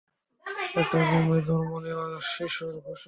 এটা রোমে জন্ম নেওয়া শিশুর ঘোষণা।